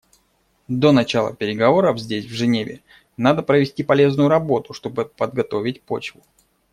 До начала переговоров здесь, в Женеве, надо провести полезную работу, чтобы подготовить почву.